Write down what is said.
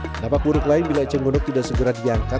kenapa buruk lain bila eceng gondok tidak segera diangkat